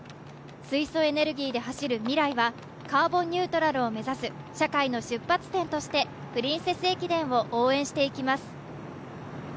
水素エネルギーで走るＭＩＲＡＩはカーボンニュートラルを目指す社会の出発点としてプリンセス駅伝を応援していきます。